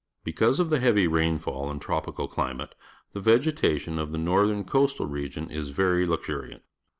Because of the heavy rainfall and tropi cal climate, thg^ vegetation of the northern coastal region i^ very lux urian t.